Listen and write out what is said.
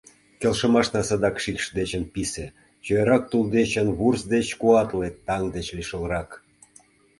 Келшымашна садак шикш дечын писе, чоярак тул дечын, вурс деч куатле, таҥ деч лишылрак.